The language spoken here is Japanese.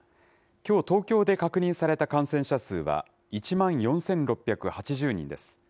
きょう、東京で確認された感染者数は１万４６８０人です。